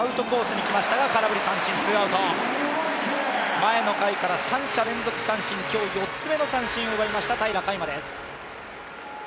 前の回から３者連続三振、今日、４つ目の三振を奪いました平良海馬です。